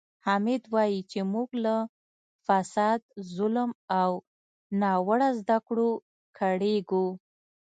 حامد وایي چې موږ له فساد، ظلم او ناوړه زده کړو کړېږو.